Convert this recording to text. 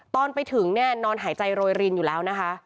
ตอนไปถึงเนี่ยนอนหายใจโรยรินอยู่แล้วนะคะ